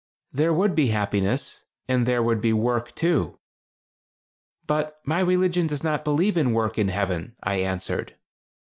"There would be happiness; and there would be work, too." "But my religion does not believe in work in heaven," I answered.